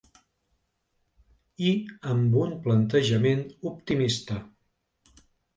I amb un plantejament optimista.